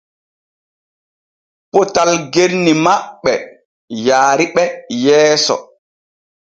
Potal genni maɓɓe wariɓe yeeso.